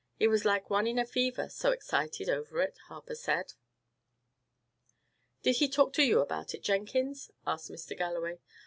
He was like one in a fever, so excited over it, Harper said." "Did he talk to you about it, Jenkins?" asked Mr. Galloway.